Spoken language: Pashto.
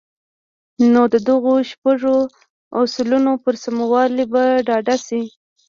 نو د دغو شپږو اصلونو پر سموالي به ډاډه شئ.